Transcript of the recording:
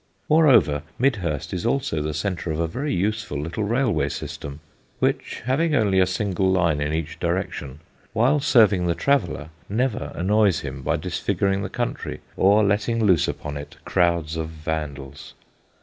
Moreover, Midhurst is also the centre of a very useful little railway system, which, having only a single line in each direction, while serving the traveller, never annoys him by disfiguring the country or letting loose upon it crowds of vandals.